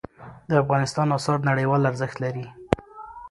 د افغانستان آثار نړیوال ارزښت لري.